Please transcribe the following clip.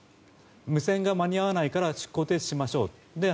無線が間に合わないから出航停止しましょうと。